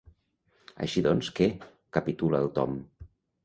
Així doncs, què? —capitula el Tom—.